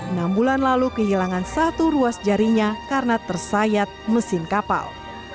enam bulan lalu kehilangan satu ruas jarinya karena tersayat mesin kapal